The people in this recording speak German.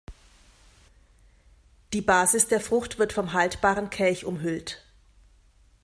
Die Basis der Frucht wird vom haltbaren Kelch umhüllt.